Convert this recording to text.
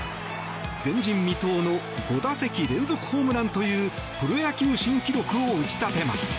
前人未到の５打席連続ホームランというプロ野球新記録を打ち立てました。